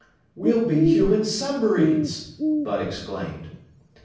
"We'll be human submarines!" Bud exclaimed.